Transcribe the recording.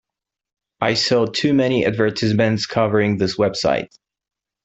I saw too many advertisements covering this website.